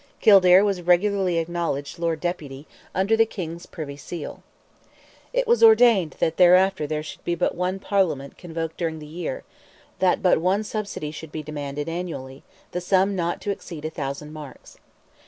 Kildare was regularly acknowledged Lord Deputy, under the King's privy seal. It was ordained that thereafter there should be but one Parliament convoked during the year; that but one subsidy should be demanded, annually, the sum "not to exceed a thousand marks."